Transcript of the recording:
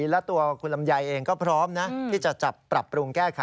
แล้วตัวคุณลำไยเองก็พร้อมนะที่จะจับปรับปรุงแก้ไข